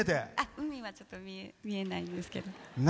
海はちょっと見えないんですけど。